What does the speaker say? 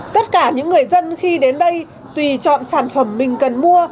tất cả những người dân khi đến đây tùy chọn sản phẩm mình cần mua